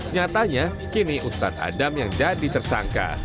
nyatanya kini ustadz adam yang jadi tersangka